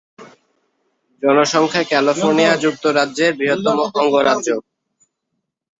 জনসংখ্যায় California যুক্তরাষ্ট্রের বৃহত্তম অঙ্গরাজ্য।